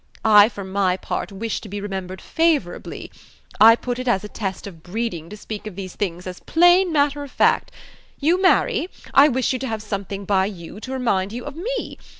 I, for my part, wish to be remembered favourably. I put it as a test of breeding to speak of these things as plain matter of fact. You marry; I wish you to have something by you to remind you of me.